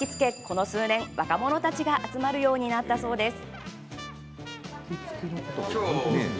この数年、若者たちが集まるようになったそうです。